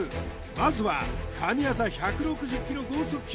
まずは神業１６０キロ豪速球